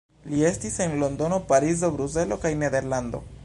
Li estis en Londono, Parizo, Bruselo kaj Nederlando.